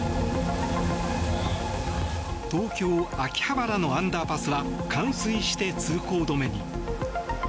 東京・秋葉原のアンダーパスは冠水して通行止めに。